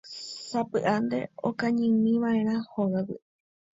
Sapy'ánte katu okañýmiva'erã hógagui.